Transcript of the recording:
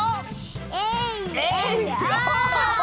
えいえいお！